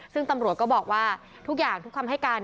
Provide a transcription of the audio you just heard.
ซึ่งตำรวจก็บอกว่าทุกอย่างทุกคำให้การ